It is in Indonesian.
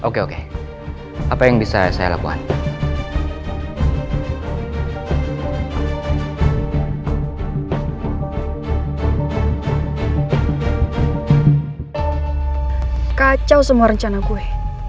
kacau semua rencana gue